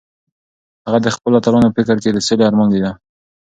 هغه د خپلو اتلانو په فکر کې د سولې ارمان لیده.